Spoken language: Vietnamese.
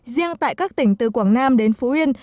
riêng tại các tỉnh từ quảng nam đến phú yên